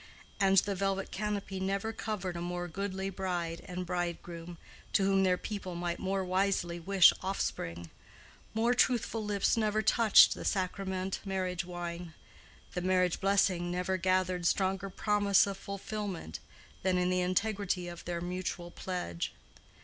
And the velvet canopy never covered a more goodly bride and bridegroom, to whom their people might more wisely wish offspring; more truthful lips never touched the sacrament marriage wine; the marriage blessing never gathered stronger promise of fulfillment than in the integrity of their mutual pledge.